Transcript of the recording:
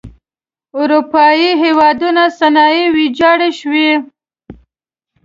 اروپايي هېوادونو صنایع ویجاړې شوئ.